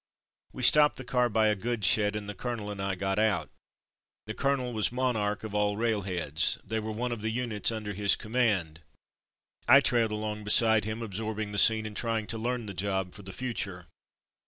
We stopped the car by a goods shed, and the colonel and I got out. The colonel was monarch of all railheads; they were one of the units under his command. I trailed along beside him, absorbing the scene and trying to learn the job for the future.